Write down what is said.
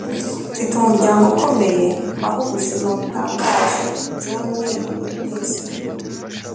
mfite umuryango ukomeye, mbaho ubuzima butangaje. - john oates